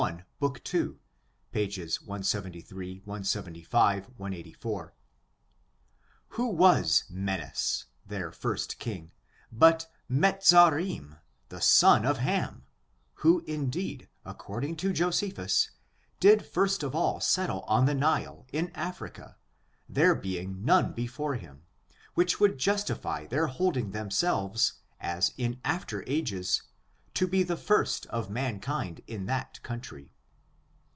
i, book 2, p. 173, 175, 184 Who was Menes^ their first king, but Mezarim^ the son of Ham, who, indeed, according to Josephus, did first of all settle on the Nile, in Africa, there being none before him, which would justify their holding themselves, as in after ages, to be the first of man* kind in that country.